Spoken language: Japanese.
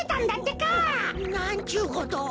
なんちゅうことを。